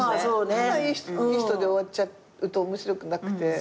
ただいい人で終わっちゃうと面白くなくて。